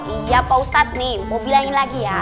iya pak ustadz nih mau bilangin lagi ya